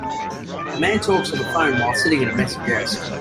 A man talks on the phone while sitting at a messy desk.